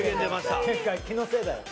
「気のせいだよ」と。